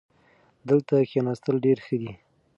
دلته کښېناستل ډېر ښه دي.